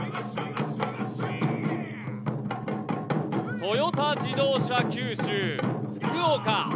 トヨタ自動車九州・福岡。